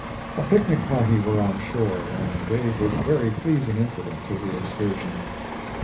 A picnic party were on shore, and gave this very pleasing incident to the excursion.